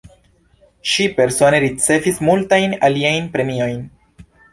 Ŝi persone ricevis multajn aliajn premiojn.